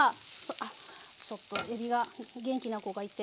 あっちょっとえびが元気な子がいて。